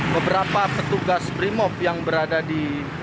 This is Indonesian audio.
beberapa petugas brimop yang berada di